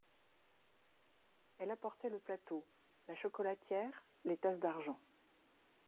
Elle apportait le plateau, la chocolatière, les tasses d'argent.